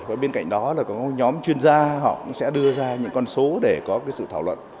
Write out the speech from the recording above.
và bên cạnh đó là có nhóm chuyên gia họ cũng sẽ đưa ra những con số để có cái sự thảo luận